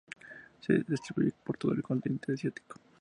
Se distribuye por todo el continente asiático.